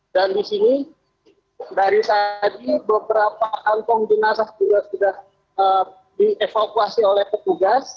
dan di sini dari saat ini beberapa kantong dinasas juga sudah dievakuasi oleh petugas